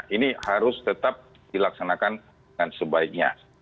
ini harus tetap dilaksanakan dengan sebaiknya